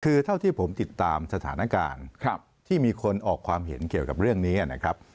คือเท่าที่ผมติดตามสถานการณ์ที่มีคนออกความเห็นเกี่ยวกับเรื่องนี้นะครับ